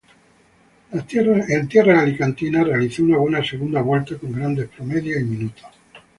En tierras alicantinas, realizó una buena segunda vuelta con grandes promedios y minutos.